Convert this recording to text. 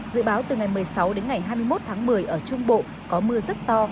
dự báo từ ngày một mươi sáu đến ngày hai mươi một tháng một mươi ở trung bộ có mưa rất to